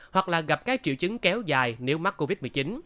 hoặc là gặp các triệu chứng kéo dài nếu mắc covid một mươi chín